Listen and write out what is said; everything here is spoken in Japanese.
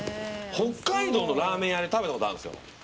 北海道のラーメン屋で食べたことがあるんですよ。